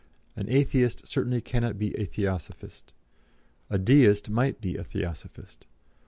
An Atheist certainly cannot be a Theosophist. A Deist might be a Theosophist.